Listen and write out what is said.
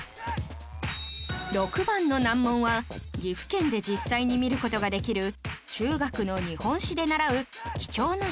６番の難問は岐阜県で実際に見る事ができる中学の日本史で習う貴重な書状